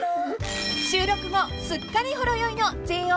［収録後すっかりほろ酔いのＪＯ